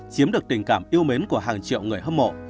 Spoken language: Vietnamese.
chiếm được tình cảm yêu mến của hàng triệu người hâm mộ